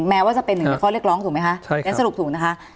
แม้ว่าจะเป็นหนึ่งในข้อเรียกร้องถูกไหมคะงั้นสรุปถูกนะคะ